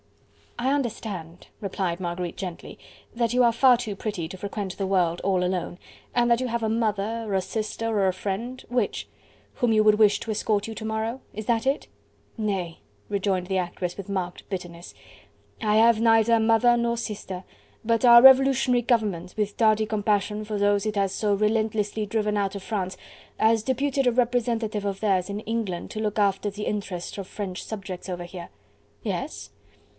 "I understand," replied Marguerite gently, "that you are far too pretty to frequent the world all alone, and that you have a mother, a sister or a friend... which?... whom you would wish to escort you to morrow. Is that it?" "Nay," rejoined the actress, with marked bitterness, "I have neither mother, nor sister, but our Revolutionary Government, with tardy compassion for those it has so relentlessly driven out of France, has deputed a representative of theirs in England to look after the interests of French subjects over here!" "Yes?"